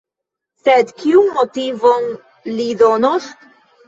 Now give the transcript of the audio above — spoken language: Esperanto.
Sed kiun motivon li donos?